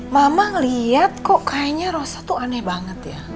mama lihat kok kayaknya rosa tuh aneh banget ya